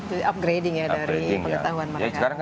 to upgrading ya dari pengetahuan mereka